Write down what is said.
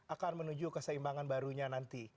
akan menuju keseimbangan barunya nanti